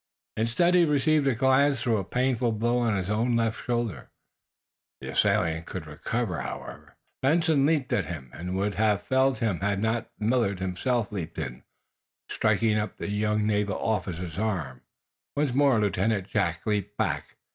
Instead, he received a glancing though painful blow on his own left shoulder. Ere the assailant could recover, however, Benson leaped at him and would have felled him had not Millard himself leaped in, striking up the young naval officer's arm. Once more Lieutenant Jack leaped back.